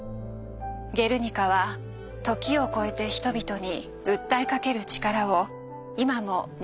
「ゲルニカ」は時を超えて人々に訴えかける力を今も持ち続けています。